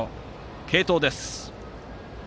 継投です。